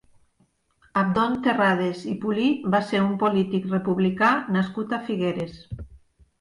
Abdon Terrades i Pulí va ser un polític republicà nascut a Figueres.